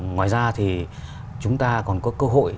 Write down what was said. ngoài ra thì chúng ta còn có cơ hội